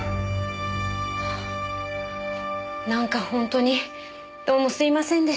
なんか本当にどうもすいませんでした。